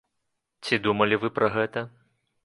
Ці думалі вы пра гэта?